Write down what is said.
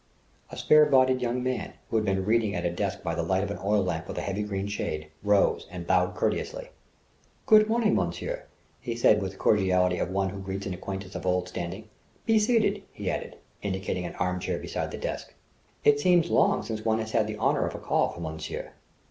A spare bodied young man, who had been reading at a desk by the light of an oil lamp with a heavy green shade, rose and bowed courteously. "Good morning, monsieur," he said with the cordiality of one who greets an acquaintance of old standing. "Be seated," he added, indicating an arm chair beside the desk. "It seems long since one has had the honour of a call from monsieur."